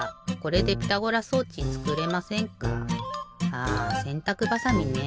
ああせんたくばさみねえ。